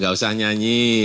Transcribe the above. gak usah nyanyi